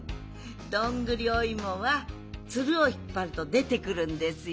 どんぐりおいもはツルをひっぱるとでてくるんですよ。